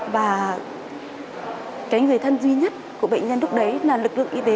và cái người thân duy nhất của bệnh nhân lúc đấy là lực lượng y tế